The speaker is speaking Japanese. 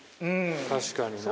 確かにな。